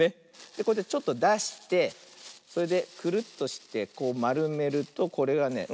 こうやってちょっとだしてそれでクルッとしてこうまるめるとこれがね